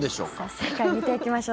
正解、見ていきましょう。